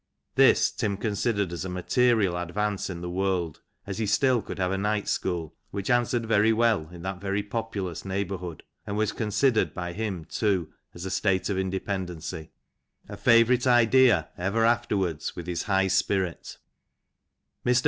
This Tim considered as a material advance in the world, as he still could have a night school, which answered very well in that populous neighbourhood, and was considered by Tim, too, as a state of inde pendency ; a favourite idea, ever afterwards, with his high spirits. Mr.